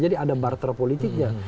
jadi ada barter politiknya